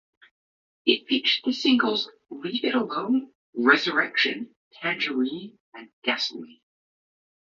It featured the singles "Leave it Alone", "Resurrection", "Tangerine", and "Gasoline".